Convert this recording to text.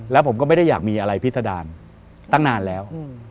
แล้วผมก็ไม่ได้อยากมีอะไรพิษดารตั้งนานแล้ว